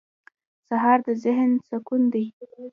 سهار د ذهن سکون دی.